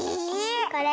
これ？